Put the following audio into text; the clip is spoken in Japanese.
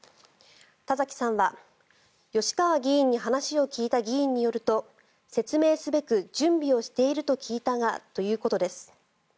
田崎さんは吉川議員に話を聞いた議員によると説明すべく準備をしていると聞いたがということです。